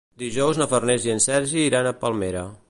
Dijous na Farners i en Sergi iran a Palmera.